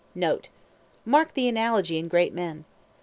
(NOTE. Mark the analogy in great men.